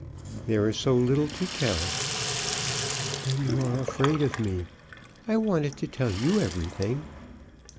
"There is so little to tell." "Then you are afraid of me. I wanted to tell you everything."